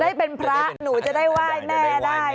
ได้เป็นพระหนูจะได้ไหว้แม่ได้